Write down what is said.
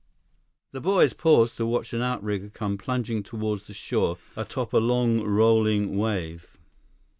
The boys paused to watch an outrigger come plunging toward the shore atop a long, rolling wave.